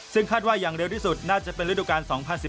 ซึ่งคาดว่าอย่างเร็วที่สุดน่าจะเป็นฤดูการ๒๐๑๘